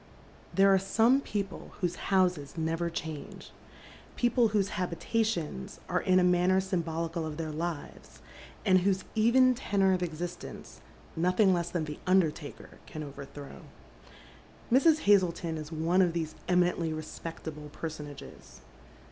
Therb are some people whose houses never change ; people whose habitations are in a manner symbolical of their lives, and whose even tenor of existence nothing less than the undertaker can overthrow. IMrs. Hazleton is one of these eminently respect able personages.